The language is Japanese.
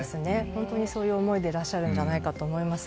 本当にそういう思いでいらっしゃるんじゃないかと思います。